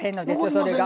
それが。